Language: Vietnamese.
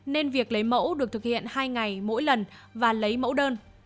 nên việc lấy mẫu được thực hiện hai ngày mỗi lần và lấy mẫu đơn